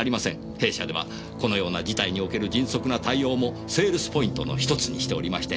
弊社ではこのような事態における迅速な対応もセールスポイントの１つにしておりまして。